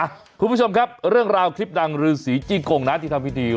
คุณผู้ชมครับเรื่องราวคลิปดังรือสีจี้กงนะที่ทำพิธี